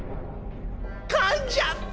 かんじゃった！